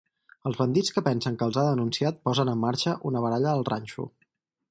Els bandits que pensen que els ha denunciat posen en marxa una baralla al ranxo.